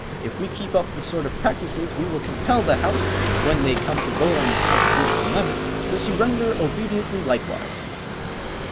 If we keep up this sort of practices, we will compel the House, when they come to vote on the constitutional amendment, to surrender obediently likewise'."